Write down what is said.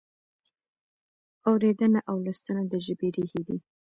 اورېدنه او لوستنه د ژبې ریښې دي.